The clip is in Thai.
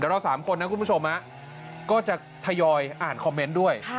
เดี๋ยวเราสามคนนะคุณผู้ชมอ่ะก็จะทยอยอ่านคอมเมนต์ด้วย